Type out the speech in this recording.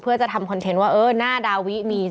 เพื่อจะทำคอนเทนต์ว่าเออหน้าดาวิมี